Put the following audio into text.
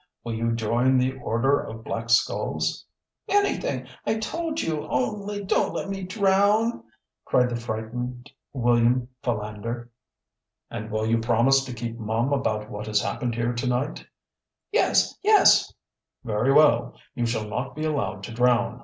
"Will you join the Order of Black Skulls?" "Anything, I told you, only don't let me drown!" cried the frightened William Philander. "And will you promise to keep mum about what has happened here to night?" "Yes, yes!" "Very well, you shall not be allowed to drown.